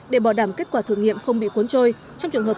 để bảo đảm kết quả thử nghiệm không bị cuốn trôi trong trường hợp